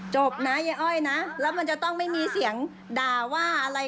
จบนะยายอ้อยนะแล้วมันจะต้องไม่มีเสียงด่าว่าอะไร